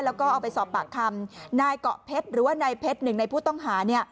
แล้วก็เอาไปสอบปากคำนายเกาะเพชรหรือว่านายเพชรหนึ่งในผู้ต้องหา